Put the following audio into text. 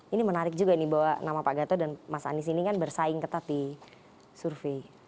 ini menarik juga nih bahwa nama pak gatot dan mas anies ini kan bersaing ketat di survei